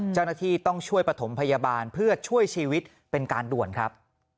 เจ้าหน้าที่ต้องช่วยประถมพยาบาลเพื่อช่วยชีวิตเป็นการด่วนครับ